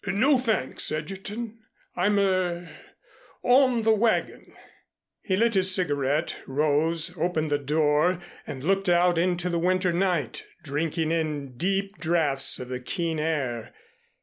"No, thanks, Egerton, I'm er on the wagon." He lit his cigarette, rose, opened the door, and looked out into the winter night, drinking in deep draughts of the keen air.